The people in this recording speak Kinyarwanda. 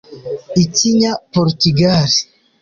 Ikinya-Portugal